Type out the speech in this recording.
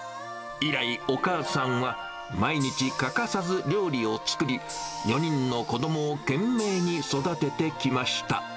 以来、お母さんは、毎日欠かさず料理を作り、４人の子どもを懸命に育ててきました。